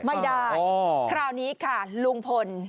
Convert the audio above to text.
ไม่ได้คราวนี้ค่ะลุงพล